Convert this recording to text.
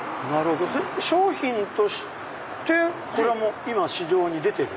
商品としてこれは今市場に出てる？